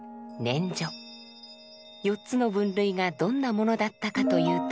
四つの分類がどんなものだったかというと。